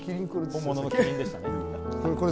本物のキリンでしたね。